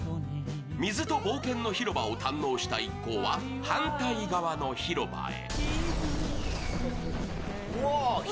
水と冒険の広場を堪能した一行は、反対側の広場へ。